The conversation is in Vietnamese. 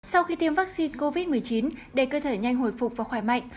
sau khi tiêm vaccine covid một mươi chín để cơ thể nhanh hồi phục và khỏe mạnh